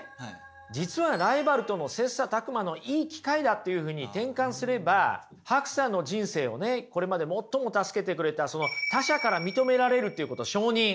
実はライバルとの切磋琢磨のいい機会だというふうに転換すればＨＡＫＵさんの人生をこれまで最も助けてくれた他者から認められるっていうこと承認